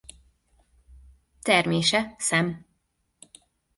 Termése szem.